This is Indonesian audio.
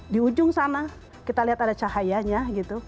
di ujung sana kita lihat ada cahayanya gitu